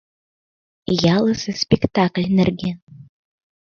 ЯЛЫСЕ СПЕКТАКЛЬ НЕРГЕН